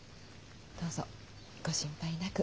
どうぞご心配なく。